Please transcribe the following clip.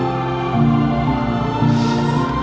aku mau denger